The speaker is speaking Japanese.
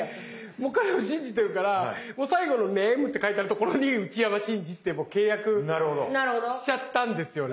もう彼を信じてるからもう最後のＮＡＭＥって書いてあるところに内山信二って契約しちゃったんですよね。